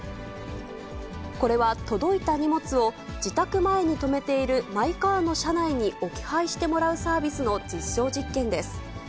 これは届いた荷物を自宅前に止めているマイカーの車内に置き配してもらうサービスの実証実験です。